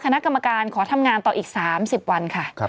คณะกรรมการขอทำงานต่ออีก๓๐วันค่ะ